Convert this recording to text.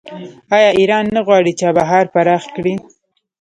آیا ایران نه غواړي چابهار پراخ کړي؟